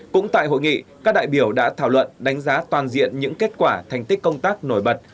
cũng tại hội nghị các đại biểu đã thảo luận đánh giá toàn diện những kết quả thành tích công tác nổi bật